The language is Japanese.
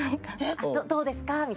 はい「どうですか？」。